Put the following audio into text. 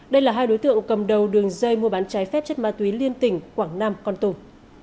đây là hai đối tượng cầm đầu đường dây mua bán trái phép chất ma túy liên tỉnh quảng nam con tùng